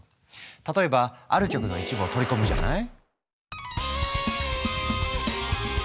例えばある曲の一部を取り込むじゃない？